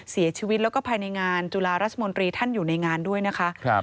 เสียชีวิตแล้วก็ภายในงานจุฬาราชมนตรีท่านอยู่ในงานด้วยนะคะ